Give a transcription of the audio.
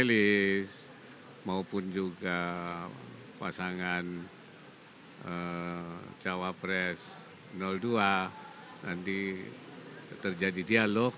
jukulis maupun juga pasangan cawa pres dua nanti terjadi dialog